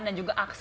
dan juga aksesnya